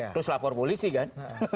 terus lakor polisi kan